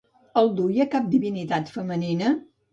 El duia cap divinitat femenina?